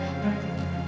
ya pak adrian